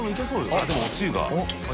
飯尾）でもおつゆが。